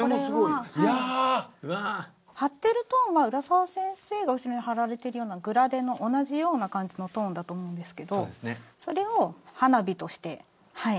貼ってるトーンは浦沢先生が後ろに貼られているようなグラデの同じような感じのトーンだと思うんですけどそれを花火として削ってます。